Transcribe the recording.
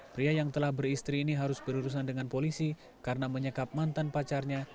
pria yang telah beristri ini harus berurusan dengan polisi karena menyekap mantan pacarnya